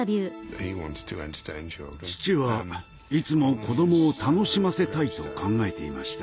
父はいつも子供を楽しませたいと考えていました。